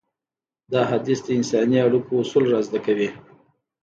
دا حديث د انساني اړيکو اصول رازده کوي.